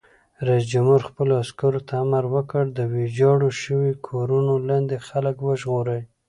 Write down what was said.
رئیس جمهور خپلو عسکرو ته امر وکړ؛ د ویجاړو شویو کورونو لاندې خلک وژغورئ!